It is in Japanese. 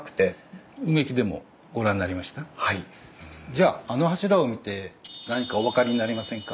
じゃああの柱を見て何かお分かりになりませんか？